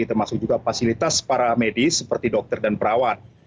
termasuk juga fasilitas para medis seperti dokter dan perawat